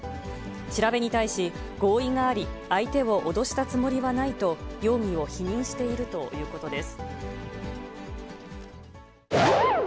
調べに対し、合意があり、相手を脅したつもりはないと、容疑を否認しているということです。